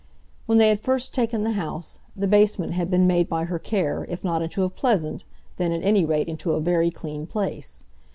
When they had first taken the house, the basement had been made by her care, if not into a pleasant, then, at any rate, into a very clean place.